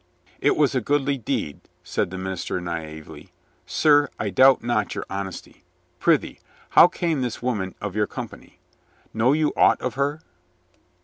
"It was a godly deed," said the minister naively. "Sir, I doubt not your honesty. Prithee, how came this woman of your company ? Know you aught of her?"